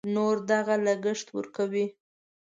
نور دغه لګښت ورکوي.